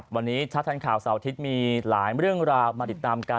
วันนี้ชัดทันข่าวเสาร์อาทิตย์มีหลายเรื่องราวมาติดตามกัน